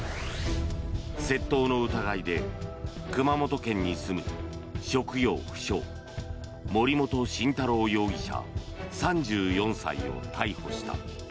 窃盗の疑いで熊本県に住む職業不詳森本晋太郎容疑者、３４歳を逮捕した。